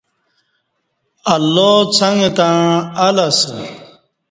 اللہ څݣ تݩع اَ لہ اسہ